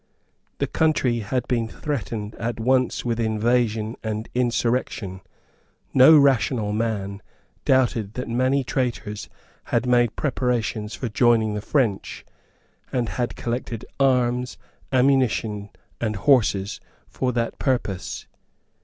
The country had been threatened at once with invasion and insurrection. No rational man doubted that many traitors had made preparations for joining the French, and had collected arms, ammunition and horses for that purpose.